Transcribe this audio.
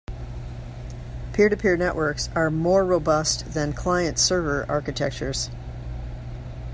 Peer-to-peer networks are more robust than client-server architectures.